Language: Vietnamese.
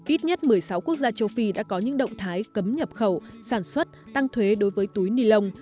ít nhất một mươi sáu quốc gia châu phi đã có những động thái cấm nhập khẩu sản xuất tăng thuế đối với túi ni lông